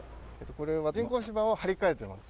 これは人工芝を張り替えてます。